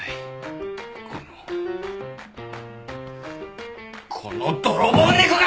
このこの泥棒猫が！